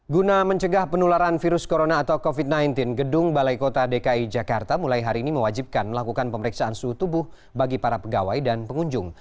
guna mencegah penularan virus corona atau covid sembilan belas gedung balai kota dki jakarta mulai hari ini mewajibkan melakukan pemeriksaan suhu tubuh bagi para pegawai dan pengunjung